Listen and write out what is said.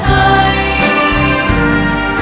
ให้สมเรื่องไทย